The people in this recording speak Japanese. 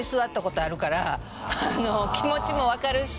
気持ちも分かるし。